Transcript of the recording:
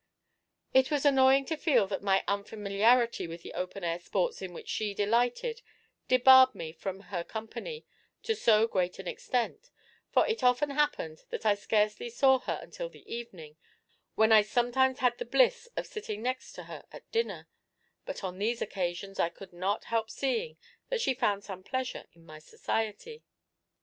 It was annoying to feel that my unfamiliarity with the open air sports in which she delighted debarred me from her company to so great an extent; for it often happened that I scarcely saw her until the evening, when I sometimes had the bliss of sitting next to her at dinner; but on these occasions I could not help seeing that she found some pleasure in my society.